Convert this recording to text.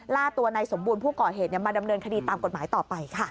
ล่าตัวนายสมบูรณ์ผู้ก่อเหตุมาดำเนินคดีตามกฎหมายต่อไปค่ะ